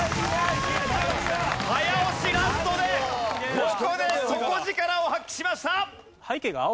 早押しラストでここで底力を発揮しました！